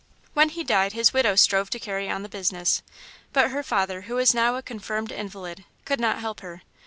When he died his widow strove to carry on the business, but her father, who was now a confirmed invalid, could not help her.